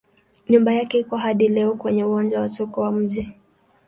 Nyumba yake iko hadi leo kwenye uwanja wa soko wa mji.